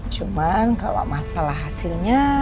cuman kalau masalah hasilnya